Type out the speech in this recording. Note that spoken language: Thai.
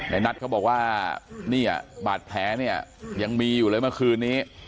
นัทเขาบอกว่าเนี่ยบาดแผลเนี่ยยังมีอยู่เลยเมื่อคืนนี้